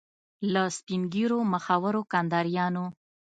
له سپین ږیرو مخورو کنداریانو.